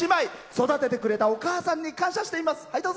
育ててくれたお母さんに感謝しています。